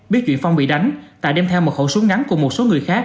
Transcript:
biết chuyện phong bị đánh tài đem theo một khẩu súng ngắn cùng một số người khác